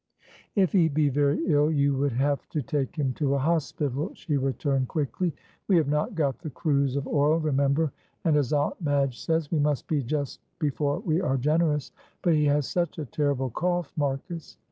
"If he be very ill, you would have to take him to a hospital," she returned, quickly. "We have not got the cruise of oil, remember, and, as Aunt Madge says, we must be just before we are generous but he has such a terrible cough, Marcus."